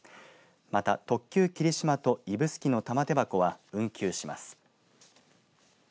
また、特急きりしまと指宿のたまて箱は運休します。